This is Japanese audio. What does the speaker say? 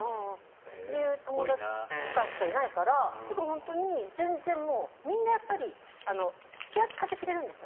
っていう友達とかしかいないから本当に全然みんな気は使ってくれるんです。